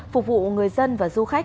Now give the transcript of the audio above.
phục vụ người dân và du khách